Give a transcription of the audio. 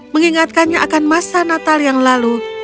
mengingatkannya akan masa natal yang lalu